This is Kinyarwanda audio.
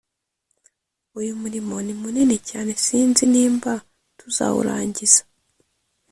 Uyu murimo ni munini cyane sinzi nimba tuzawurangiza